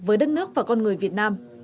với đất nước và con người việt nam